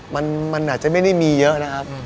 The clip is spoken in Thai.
มันอาจจะไม่ได้มีเยอะนะครับ